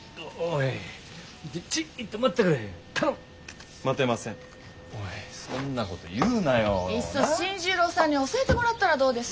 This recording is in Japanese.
いっそ新十郎さんに教えてもらったらどうです？